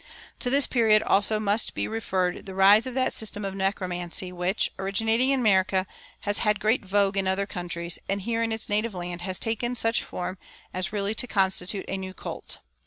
To this period also must be referred the rise of that system of necromancy which, originating in America, has had great vogue in other countries, and here in its native land has taken such form as really to constitute a new cult.